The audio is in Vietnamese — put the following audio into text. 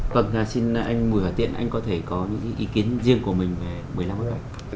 vâng xin anh mùi hỏa tiện anh có thể có những ý kiến riêng của mình về một mươi năm năm